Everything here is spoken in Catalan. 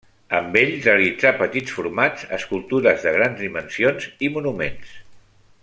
Amb ell realitzà petits formats, escultures de grans dimensions i monuments.